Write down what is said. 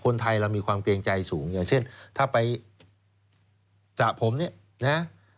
คนไทยเรามีความเกรงใจสูงอย่างเช่นถ้าไปสระผมเนี่ยนะ